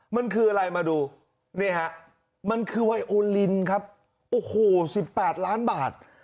มันคืออะไรมาดูนี่ฮะมันคือไวโอลินครับโอ้โห๑๘ล้านบาท